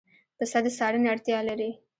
پسه د څارنې اړتیا لري.